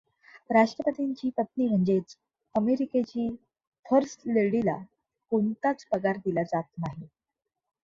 राष्ट्रपतींची पत्नी म्हणजेच, अमेरिकेची फर्स्ट लेडीला कोणताच पगार दिला जात नाही.